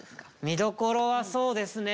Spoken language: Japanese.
見どころはそうですね